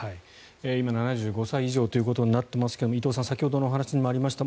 今、７５歳以上となっていますが伊藤さん先ほどのお話にもありました